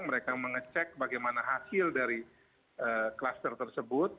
mereka mengecek bagaimana hasil dari kluster tersebut